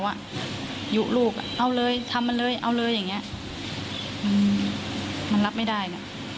หลวงลูกทำมันเลยเข้าไว้แล้ว